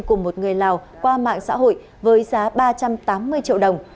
của một người lào qua mạng xã hội với giá ba trăm tám mươi triệu đồng